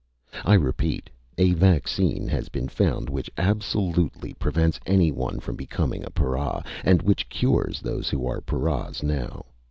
I repeat: a vaccine has been found which absolutely prevents anyone from becoming a para, and which cures those who are paras now.